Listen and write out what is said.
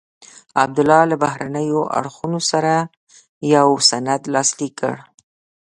عبدالله له بهرنیو اړخونو سره یو سند لاسلیک کړ.